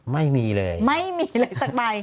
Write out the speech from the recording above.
ไม่มีเลยสักใบ